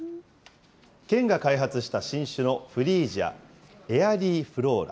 県が開発した新種のフリージア、エアリーフローラ。